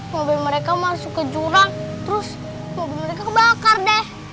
mobil mereka masuk ke jurang terus mobil mereka kebakar deh